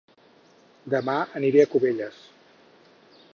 Dema aniré a Cubelles